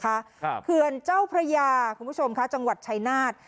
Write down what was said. ครับเขื่อนเจ้าพระยาคุณผู้ชมค่ะจังหวัดชายนาฏ